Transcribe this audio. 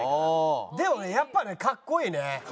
でもねやっぱねかっこいいね。